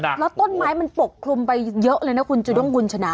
เหมือนกันนะแล้วต้นไม้มันปกคลุมไปเยอะเลยนะคุณจุด้งกุญชนะ